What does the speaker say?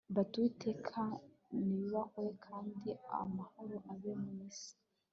bati uwiteka niyubahwe kandi amahoro abe mu isi